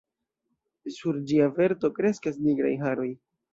Sur ĝia verto kreskas nigraj haroj.